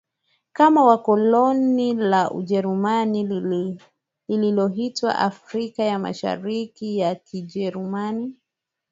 kama koloni la Ujerumani lililoitwa Afrika ya Mashariki ya Kijerumani